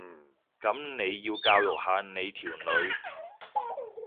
噉你要教育下你條女